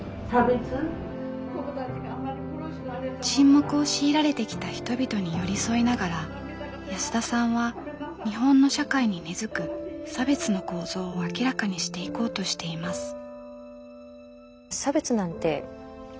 沈黙を強いられてきた人々に寄り添いながら安田さんは日本の社会に根づく差別の構造を明らかにしていこうとしています。